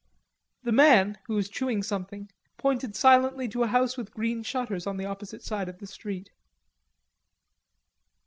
The man, who was chewing something, pointed silently to a house with green shutters on the opposite side of the street.